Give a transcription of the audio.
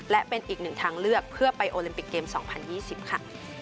และเป็นอีกหนึ่งทางเลือกเพื่อไปโอลิมปิกเกม๒๐๒๐ค่ะ